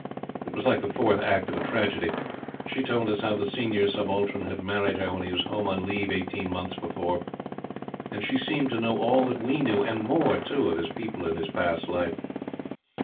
It was like the fourth act of a tragedy. She told us how the Senior Subaltern had married her when he was Home on leave eighteen months before; and she seemed to know all that we knew, and more too, of his people and his past life.